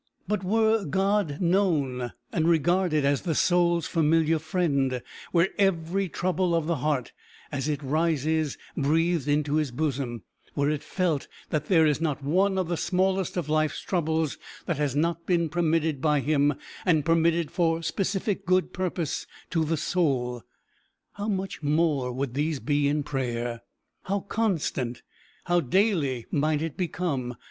But were God known and regarded as the soul's familiar friend, were every trouble of the heart as it rises breathed into his bosom, were it felt that there is not one of the smallest of life's troubles that has not been permitted by him, and permitted for specific good purpose to the soul, how much more would these be in prayer! how constant, how daily might it become!